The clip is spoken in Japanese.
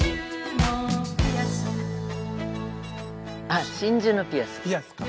あっ「真珠のピアス」。